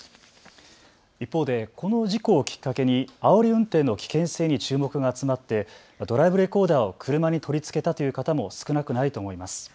一方でこの事故をきっかけにあおり運転の危険性に注目が集まって、ドライブレコーダーを車に取り付けたという方も少なくないと思います。